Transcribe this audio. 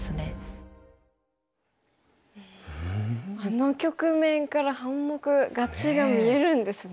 あの局面から半目勝ちが見えるんですね。